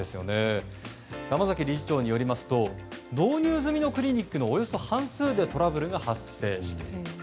山崎理事長によりますと導入済みのクリニックのおよそ半数でトラブルが発生していると。